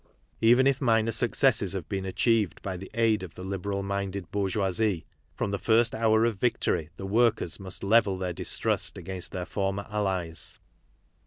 Even if minor successes have been achieved by the aid of the liberal minded bourgeoisie " from the first hour of victory, the workers must level their distrust against their former allies."